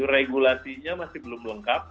regulasinya masih belum lengkap